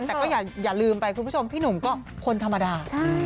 แต่ก็อย่าลืมไปคุณผู้ชมพี่หนุ่มก็คนธรรมดา